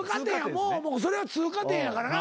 もうそれは通過点やからな。